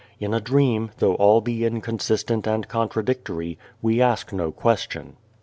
In a dream, though all be inconsistent and contra dictory, we ask no question.